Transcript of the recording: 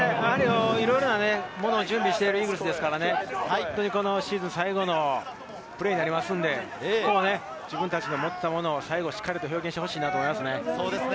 いろいろなものを準備しているイーグルスですから、シーズン最後のプレーになりますので、自分達の持ったものをしっかり発揮してほしいと思います。